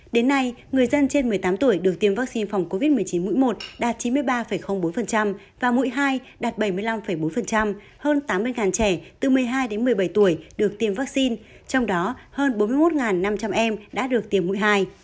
đến nay người dân trên một mươi tám tuổi được tiêm vaccine phòng covid một mươi chín mũi một đạt chín mươi ba bốn và mũi hai đạt bảy mươi năm bốn hơn tám mươi trẻ từ một mươi hai đến một mươi bảy tuổi được tiêm vaccine trong đó hơn bốn mươi một năm trăm linh em đã được tiêm mũi hai